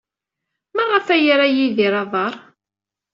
Maɣef ay yerra Yidir aḍar?